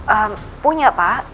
eee punya pak